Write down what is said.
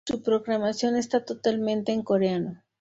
Su programación está totalmente en coreano.